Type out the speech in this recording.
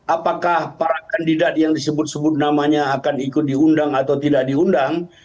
apakah para kandidat yang disebut sebut namanya akan ikut diundang atau tidak diundang